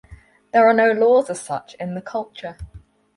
There are no laws as such in the Culture.